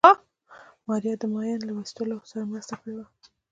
ماريا د ماين له ويستلو سره مرسته کړې وه.